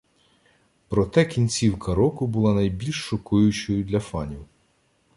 Проте кінцівка року була найбільш шокуючою для фанів: